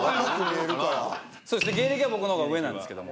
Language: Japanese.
そうですね芸歴は僕の方が上なんですけども。